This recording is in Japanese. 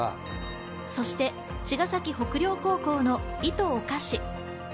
そして茅ヶ崎北陵高校の『いとおかし。』。